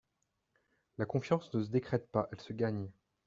La confiance ne se décrète pas, elle se gagne.